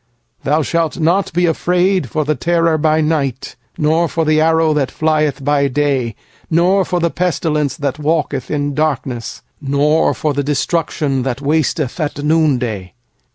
shalt not be afraid of the terror by night, Nor of the arrow that flieth by day; 60f the pestilence that walketh in darkness, Nor of the destruction that wasteth at noonday.